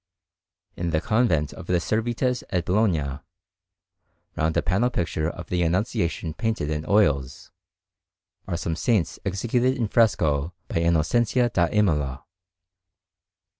In the Convent of the Servites at Bologna, round a panel picture of the Annunciation painted in oils, are some saints executed in fresco by Innocenzio da Imola.